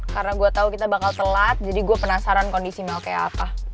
karena gue tau kita bakal telat jadi gue penasaran kondisi mel kayak apa